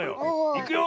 いくよ。